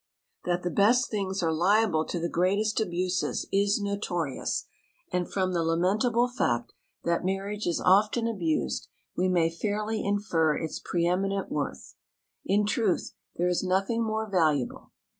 That the best things are liable to the greatest abuses is notorious, and from the lamentable fact that marriage is often abused we may fairly infer its pre eminent worth. In truth, there is nothing more valuable.